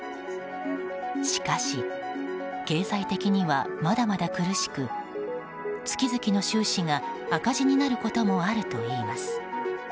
しかし経済的にはまだまだ苦しく月々の収支が赤字になることもあるといいます。